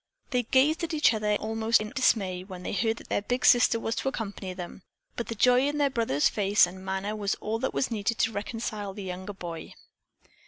They gazed at each other almost in dismay when they heard that their big sister was to accompany them, but the joy in their brother's face and manner was all that was needed to reconcile the younger boy.